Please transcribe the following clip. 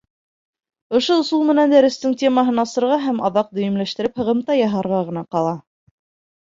Ошо ысул менән дәрестең темаһын асырға һәм аҙаҡ дөйөмләштереп һығымта яһарға ғына ҡала.